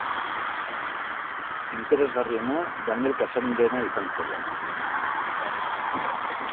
Interesgarriena Daniel Cassany-rena izan zela.